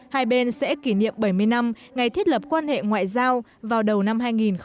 hai bên sẽ kỷ niệm bảy mươi năm ngày thiết lập quan hệ ngoại giao vào đầu năm hai nghìn hai mươi